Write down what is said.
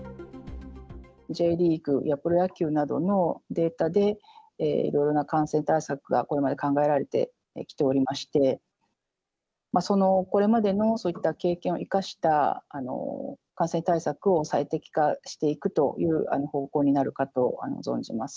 Ｊリーグやプロ野球などのデータで、いろいろな感染対策がこれまで考えられてきておりまして、これまでのそういった経験を生かした感染対策を最適化していくという方向になるかと存じます。